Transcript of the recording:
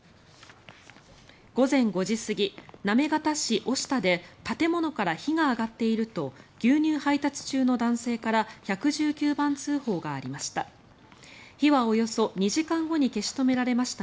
午前５時過ぎ、行方市於下で建物から火が上がっていると牛乳配達中の男性から１１９番通報がありました。